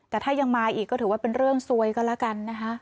แต่ถ้ายังมาอีกก็ถือว่าเป็นเรื่องซวยก็แล้วกันนะคะ